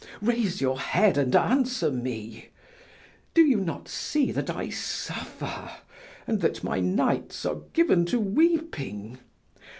Raise your head and answer me. Do you not see that I suffer and that my nights are given to weeping?